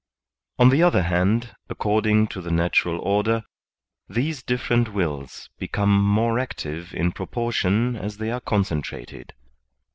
On the other hand, according to the natural order, Aese different wills become more active in proportion as they are concentrated.